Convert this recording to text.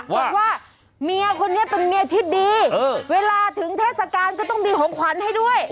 บอกว่าเมียคนนี้เป็นเมียที่ดีเวลาถึงเทศกาลก็ต้องมีของขวัญให้ด้วย